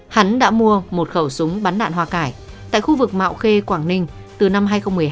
hắn đã mua một khẩu súng bắn đạn hoa cải tại khu vực mạo khê quảng ninh từ năm hai nghìn một mươi hai